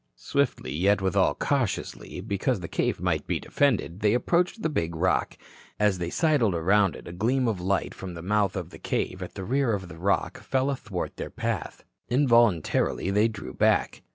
Swiftly, yet withal cautiously, because the cave might be defended, they approached the big rock. As they sidled around it, a gleam of light from the mouth of the cave at the rear of the rock fell athwart their path. Involuntarily they drew back.